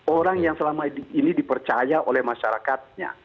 orang yang selama ini dipercaya oleh masyarakatnya